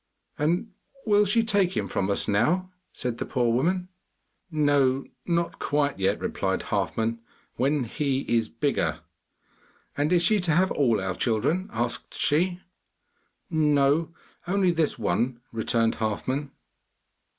'And will she take him from us now?' said the poor woman. 'No, not quite yet,' replied Halfman; 'when he is bigger.' 'And is she to have all our children?' asked she. 'No, only this one,' returned Halfman.